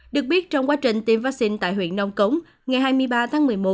được biết trong quá trình tiêm vaccine tại huyện nông cống ngày hai mươi ba tháng một mươi một